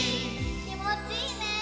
きもちいいね！